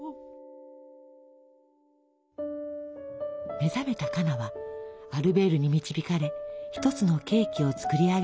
目覚めたカナはアルベールに導かれ一つのケーキを作り上げます。